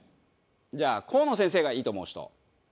じゃあコウノ先生がいいと思う人。